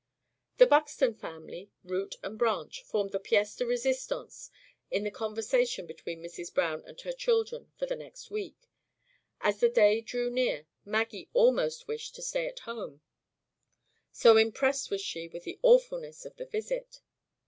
The Buxton family, root and branch, formed the pièce de résistance in the conversation between Mrs. Browne and her children for the next week. As the day drew near, Maggie almost wished to stay at home, so impressed was she with the awfulness of the visit.